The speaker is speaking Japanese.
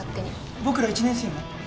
僕ら１年生も？